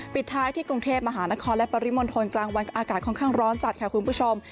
ปิดท้ายที่กรุงเทพมหานครและปริมณฑลกลางวันอากาศค่อนข้างร้อนจัดค่ะคุณผู้ชม